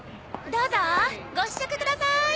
どうぞご試食ください。